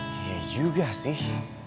iya juga sih